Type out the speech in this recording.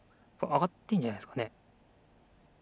あがってんじゃないですかね？